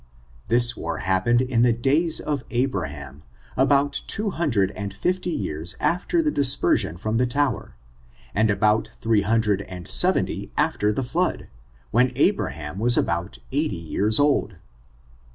This war happened in the days of Abraham, about two himdred and fifty years after the dispersion from the tower, and about three hundred and seventy after the flood, when Abraham was about eighty years old.